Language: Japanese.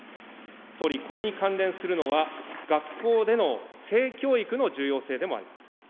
総理、これに関連するのは、学校での性教育の重要性でもあります。